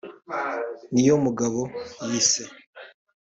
Niyomugabo yise